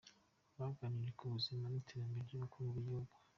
Baganiriye ku buzima n’iterambere ry’ubukungu bw’igihugu.